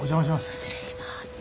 失礼します。